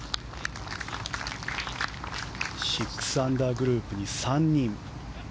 ６アンダーグループに３人。